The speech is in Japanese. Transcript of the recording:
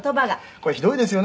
「これひどいですよね」